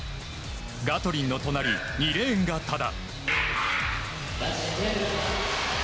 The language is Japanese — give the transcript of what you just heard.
ガトリンの隣、２レーンが多田。